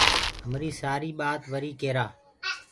همي سآري بآت وري ڪيرآ۔